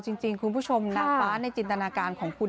จริงคุณผู้ชมนางฟ้าในจินตนาการของคุณ